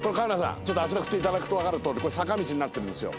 ちょっとあちら振って頂くとわかるとおり坂道になってるんですよ。